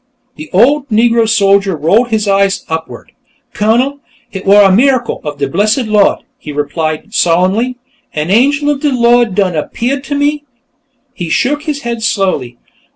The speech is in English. The old Negro soldier rolled his eyes upward. "Cunnel, hit war a mi'acle of de blessed Lawd!" he replied, solemnly. "An angel of de Lawd done appeahed unto me." He shook his head slowly.